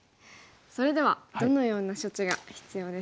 それではどのような処置が必要ですか？